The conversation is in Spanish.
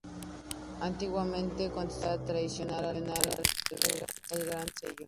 Antiguamente constituía traición falsificar el Gran Sello.